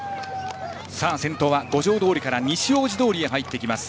先頭は五条通から西大路通へ入っていきます。